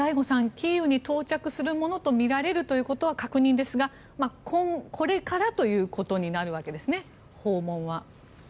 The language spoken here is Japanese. キーウに到着するものとみられるということは確認ですがこれからということになるわけですね、訪問は。